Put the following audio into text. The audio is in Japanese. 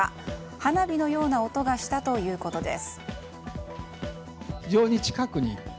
花火のような音がしたということです。